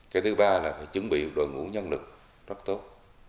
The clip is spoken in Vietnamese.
cái thứ ba là phải chuẩn bị đội ngũ nhân lực rất tốt